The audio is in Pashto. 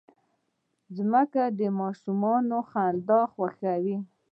مځکه د ماشوم خندا خوښوي.